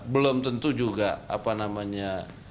belum tentu juga apa namanya